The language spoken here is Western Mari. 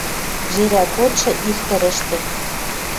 Жерӓ годшы ир тӹрӹштӹ